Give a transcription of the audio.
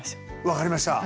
分かりました。